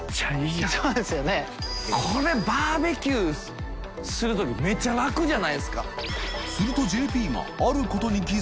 ＪＰ）これバーベキューするときめっちゃ楽じゃないですか？